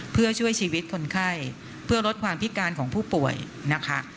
เพื่อช่วยชีวิตคนไข้เพื่อลดความพิการของผู้ป่วยนะคะ